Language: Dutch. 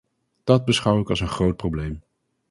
Dat beschouw ik als een groot probleem.